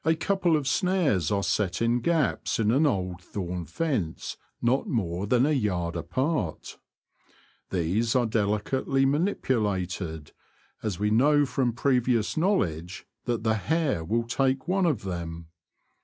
65 couple of snares are set in gaps in an old thorn fence not more than a yard apart These are delicately manipulated, as we know from previous knowledge that the hare will take one of them.